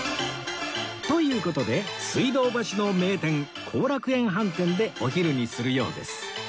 という事で水道橋の名店後楽園飯店でお昼にするようです